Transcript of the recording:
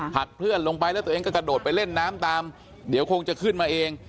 หากเพื่อนลงไปแล้วตัวเองก็กระโดดไปเล่นน้ำตามเดี๋ยวคงจะขึ้นมาเอง